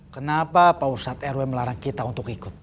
kenapa paursat rw melarang kita untuk ikut